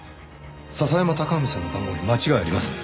笹山隆文さんの番号に間違いありません。